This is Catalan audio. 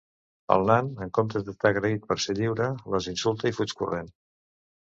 El nan, en comptes d'estar agraït per ser lliure, les insulta i fuig corrent.